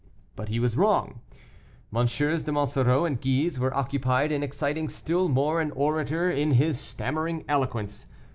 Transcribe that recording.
But he was wrong. MM. de Monsoreau and Guise were occupied in exciting still more an orator in his stammering eloquence.